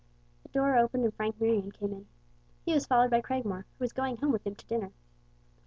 The door opened, and Frank Marion came in. He was followed by Cragmore, who was going home with him to dinner.